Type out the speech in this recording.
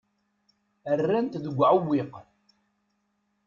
Rran-t deg uɛewwiq.